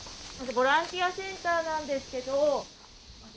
ボランティアセンターなんですけど。